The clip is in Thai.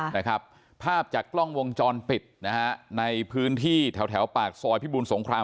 นะครับภาพจากกล้องวงจรปิดนะฮะในพื้นที่แถวแถวปากซอยพิบูลสงคราม